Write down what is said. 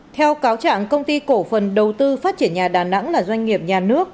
theo cáo trạng công ty cổ phần đầu tư phát triển nhà đà nẵng là doanh nghiệp nhà nước